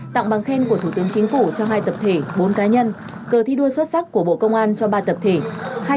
tặng bằng khen của thủ tướng chính phủ cho hai tập thể bốn cá nhân cờ thi đua xuất sắc của bộ công an cho ba tập thể